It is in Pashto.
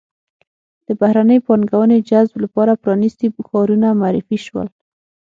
د بهرنۍ پانګونې جذب لپاره پرانیستي ښارونه معرفي شول.